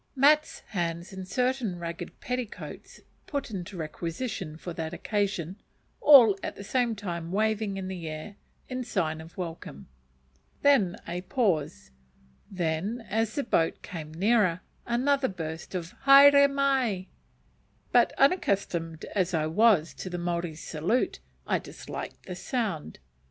_" Mats, hands, and certain ragged petticoats put into requisition for that occasion, all at the same time waving in the air in sign of welcome. Then a pause. Then, as the boat came nearer, another burst of haere mai! But unaccustomed as I was then to the Maori salute, I disliked the sound.